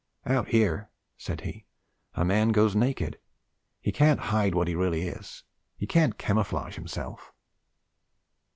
'Out here,' said he, 'a man goes naked; he can't hide what he really is; he can't camouflage himself.'